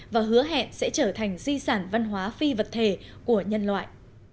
và hứa hẹn sẽ trở thành di sản văn hóa phi vật thể của nhân loại